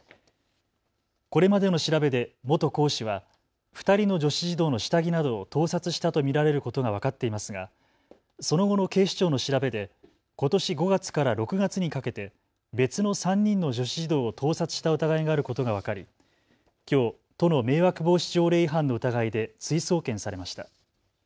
これまでの調べで元講師は２人の女子児童の下着などを盗撮したと見られることが分かっていますがその後の警視庁の調べでことし５月から６月にかけて別の３人の女子児童を盗撮した疑いがあることが分かりきょう都の迷惑防止条例違反の疑いで追送検されました。